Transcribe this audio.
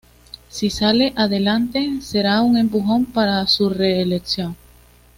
Si sale adelante será un empujón para su reelección.